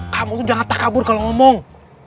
kamu tuh jangan takabur kalau ngomong